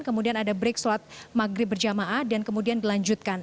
kemudian ada break sholat maghrib berjamaah dan kemudian dilanjutkan